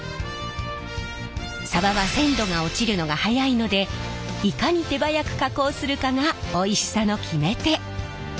さばは鮮度が落ちるのが早いのでいかに手早く加工するかがおいしさの決め手！